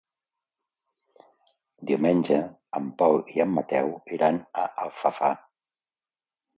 Diumenge en Pol i en Mateu iran a Alfafar.